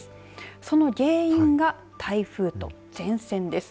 その原因が台風と前線です。